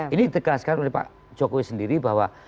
ini ditegaskan oleh pak jokowi sendiri bahwa